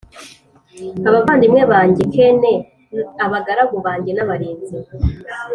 abavandimwe banjye k n abagaragu banjye n abarinzi